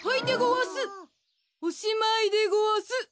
おしまいでごわす。